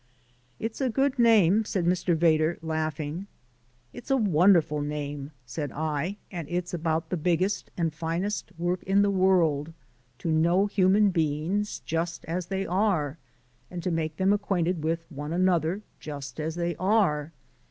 "It's a good name!" said Mr. Vedder, laughing. "It's a wonderful name," said I, "and it's about the biggest and finest work in the world to know human beings just as they are, and to make them acquainted with one another just as they are.